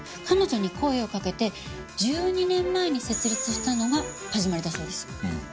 彼女に声をかけて１２年前に設立したのが始まりだそうです。